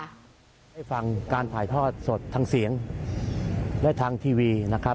ได้ฟังการถ่ายทอดสดทางเสียงและทางทีวีนะครับ